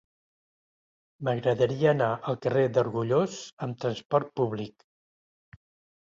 M'agradaria anar al carrer d'Argullós amb trasport públic.